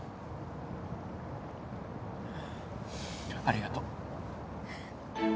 ありがとう。